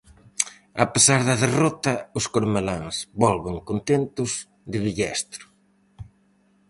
A pesar da derrota, os cormeláns volven contentos de Villestro.